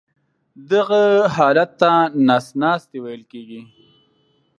دغه حالت ته نس ناستی ویل کېږي.